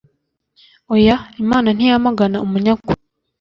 oya, imana ntiyamagana umunyakuri